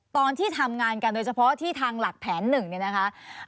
ตอนที่ทำงานกันโดยเฉพาะที่ทางหลักแผนหนึ่งเนี่ยนะคะ